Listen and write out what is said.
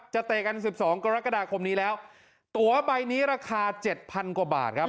จะเตกอันสิบสองกรกฎาคมนี้แล้วตัวใบนี้ราคาเจ็ดพันกว่าบาทครับ